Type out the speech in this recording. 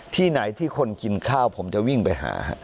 ที่ไหนที่คนกินข้าวผมจะวิ่งไปหา